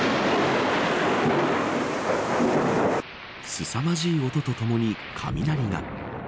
すさまじい音とともに雷が。